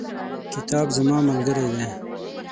کتاب زما ملګری دی.